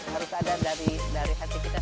harus ada dari hati kita